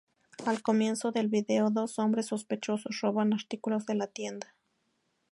Al comienzo del vídeo, dos hombres sospechosos roban artículos de la tienda.